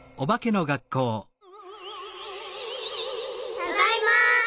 ただいま。